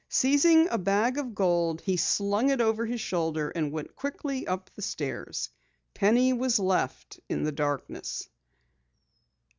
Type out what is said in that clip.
Seizing a bag of gold, he slung it over his shoulder and went quickly up the stairs. Penny was left in the darkness.